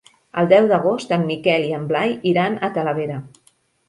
El deu d'agost en Miquel i en Blai iran a Talavera.